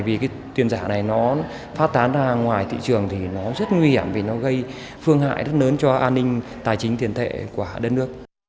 vì cái tiền giả này nó phát tán ra ngoài thị trường thì nó rất nguy hiểm vì nó gây phương hại rất lớn cho an ninh tài chính tiền thệ của đất nước